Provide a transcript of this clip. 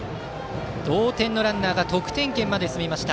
同点のランナーが得点圏まで進みました。